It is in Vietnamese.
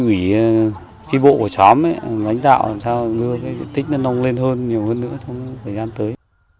nhất trí của chóm lãnh đạo làm sao lưu tích nông lên hơn nhiều hơn nữa trong thời gian tới